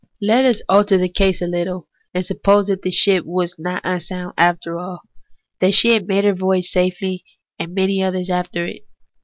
Let us alter the case a little, and suppose that the ship was not unsound after all ; that she made her voy age safely, and many others after it.